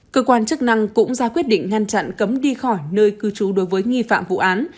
cơ quan chức năng cũng ra quyết định ngăn chặn cấm đi khỏi nơi cư trú đối với nghi phạm vụ án